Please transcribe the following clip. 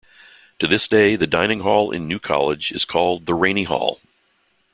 To this day, the dining Hall in New College is called the Rainy Hall.